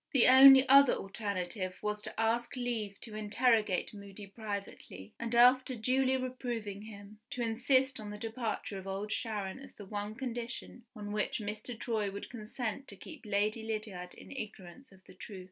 The only other alternative was to ask leave to interrogate Moody privately, and, after duly reproving him, to insist on the departure of Old Sharon as the one condition on which Mr. Troy would consent to keep Lady Lydiard in ignorance of the truth.